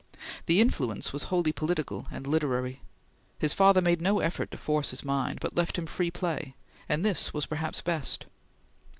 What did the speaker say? The influence was wholly political and literary. His father made no effort to force his mind, but left him free play, and this was perhaps best.